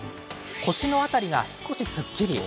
腰の辺りが少しすっきり。